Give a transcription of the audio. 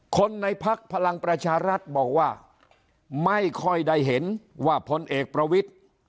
คนในพักพลังประชารัฐบอกว่าไม่ค่อยได้เห็นว่าพลเอกประวิทธิ์